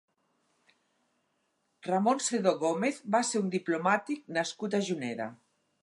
Ramón Sedó Gómez va ser un diplomàtic nascut a Juneda.